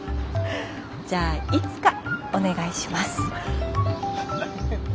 じゃあいつかお願いします。